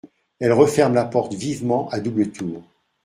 Elle referme la porte vivement à double tour.